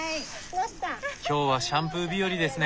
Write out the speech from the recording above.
今日はシャンプー日和ですね。